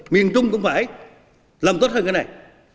miền trung cũng phải làm tốt hơn cái này